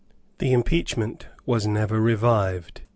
The impeachment was never revived.